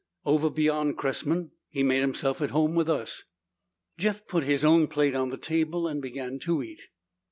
"Over beyond Cressman. He made himself at home with us." Jeff put his own plate on the table and began to eat.